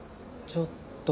ちょっと。